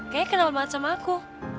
kayaknya kenal banget sama aku